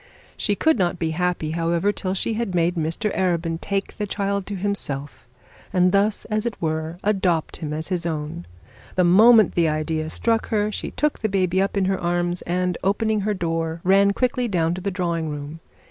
She could not be happy, however, till she had made Mr Arabin take the child to himself, and thus, as it were, adopt him as his own. The moment the idea struck her she took the baby in her arms, and, opening her door, ran quickly down to the drawing room.